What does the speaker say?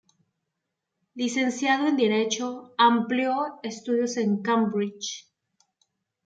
Licenciado en derecho, amplió estudios en Cambridge.